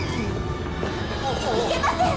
いけません！